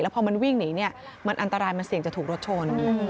แล้วพอมันวิ่งหนีมันอันตรายมันเสี่ยงจะถูกรถชน